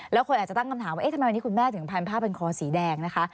แล้วคนอาจจะตั้งคำถามว่าเอ๊ะทำไมวันนี้คุณแม่ถึงพันผ้าพันคอสีแดงนะคะ